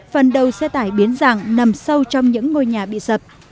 phần đầu xe tải biến dạng nằm sâu trong những ngôi nhà bị sập